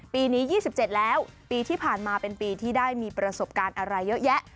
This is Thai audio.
ปีนี้๒๗แล้วปีที่ผ่านมาเป็นปีที่ได้มีประสบการณ์อะไรเยอะแยะ